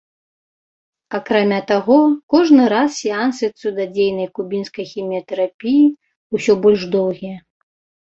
Акрамя таго, кожны раз сеансы цудадзейнай кубінскай хіміятэрапіі ўсё больш доўгія.